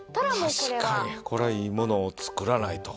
確かにこれはいいものを作らないと。